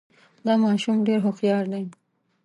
دا ماشوم ډېر هوښیار دی